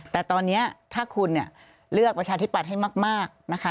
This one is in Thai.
แต่ตอนนี้ถ้าคุณเลือกประชาธิปัตย์ให้มากนะคะ